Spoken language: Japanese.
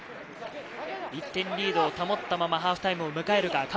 １点リードを保ったままハーフタイムを迎えるか？